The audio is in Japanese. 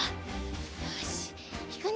よしいくね！